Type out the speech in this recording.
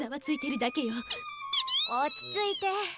落ち着いて。